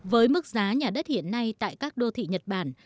với mức giá nhà đất hiện nay tại các đô thị nhật bản